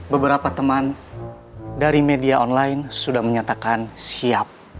beberapa teman dari media online sudah menyatakan siap